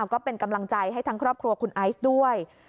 ก็เป็นกำลังใจให้ทั้งครอบครัวคุณไอซ์ด้วย